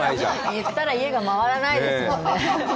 言ったら、家が回らないですもんね。